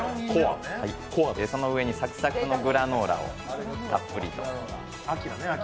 その上にサクサクのグラノーラをたっぷりと。